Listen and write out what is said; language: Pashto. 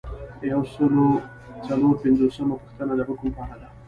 یو سل او څلور پنځوسمه پوښتنه د حکم په اړه ده.